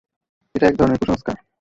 এটা এক ধরনের কুসংস্কার।